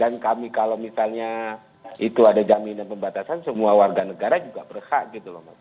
dan kami kalau misalnya itu ada jaminan pembatasan semua warga negara juga berhak gitu loh mas